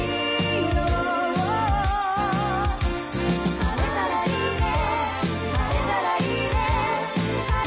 「晴れたらいいね晴れたらいいね」